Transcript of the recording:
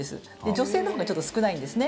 女性のほうがちょっと少ないんですね。